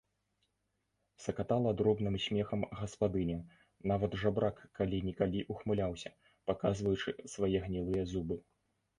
Сакатала дробным смехам гаспадыня, нават жабрак калі-нікалі ўхмыляўся, паказваючы свае гнілыя зубы.